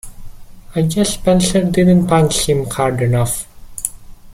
I guess Spencer didn't punch him hard enough.